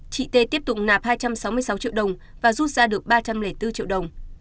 chị t tiếp tục nạp hai trăm sáu mươi sáu triệu đồng và rút ra được ba trăm linh bốn triệu đồng